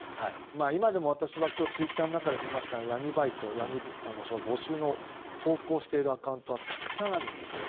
今でも、私は今日ツイッターの中で見ましたが闇バイトの募集の投稿しているアカウントはたくさんあるんですよ。